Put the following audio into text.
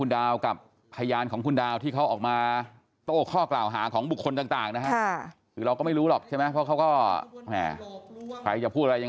ดำบลพนมดำบลพนมเป็นผู้เขียน